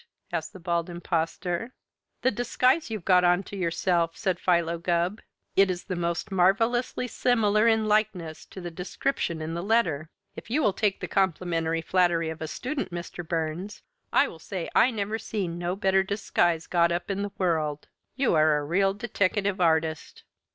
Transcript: asked the Bald Impostor. "The disguise you've got onto yourself," said Philo Gubb. "It is most marvelously similar in likeness to the description in the letter. If you will take the complimentary flattery of a student, Mr. Burns, I will say I never seen no better disguise got up in the world. You are a real deteckative artist."